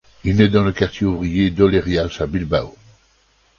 Il nait dans le quartier ouvrier d’Ollerías à Bilbao.